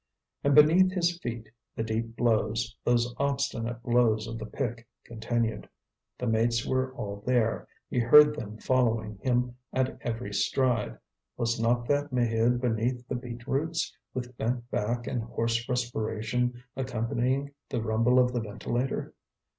And beneath his feet, the deep blows, those obstinate blows of the pick, continued. The mates were all there; he heard them following him at every stride. Was not that Maheude beneath the beetroots, with bent back and hoarse respiration accompanying the rumble of the ventilator?